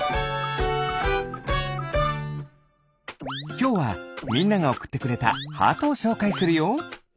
きょうはみんながおくってくれたハートをしょうかいするよ。